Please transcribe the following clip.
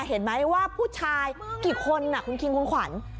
เห็นไหมว่าผู้ชายกี่คนคุณคิงคุณขวัญ